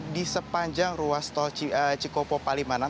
di sepanjang ruas tol cikopo palimanan